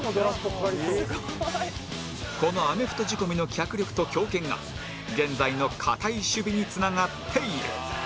「すごい」このアメフト仕込みの脚力と強肩が現在の堅い守備につながっている